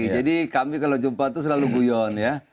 jadi kami kalau jumpa itu selalu guyon ya